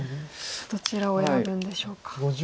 どちらを選ぶんでしょうか。